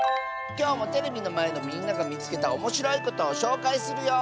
きょうもテレビのまえのみんながみつけたおもしろいことをしょうかいするよ！